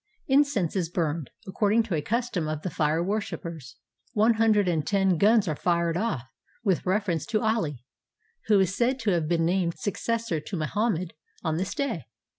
Incense is burned, according to a custom of the fire worshipers. One hundred and ten guns are fired ofif, with reference to Ali, who is said to have been named successor to Mohammed on this day.